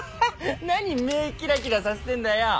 何目キラキラさせてんだよ。